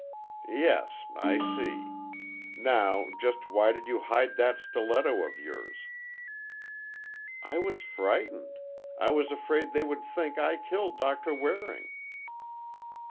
"Yes—I see. Now, just why did you hide that stiletto of yours?" "I was frightened. I was afraid they would think I killed Doctor Waring."